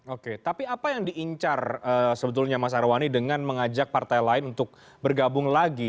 oke tapi apa yang diincar sebetulnya mas arwani dengan mengajak partai lain untuk bergabung lagi